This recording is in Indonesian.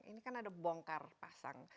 ini kan ada bongkar pasang